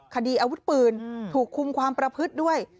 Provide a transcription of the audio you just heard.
คดีอาวุธปืนถูกคุมความประพฤติด้วย